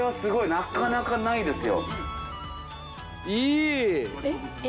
なかなかないですよ。